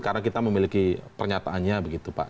karena kita memiliki pernyataannya begitu pak